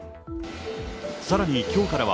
さらにきょうからは、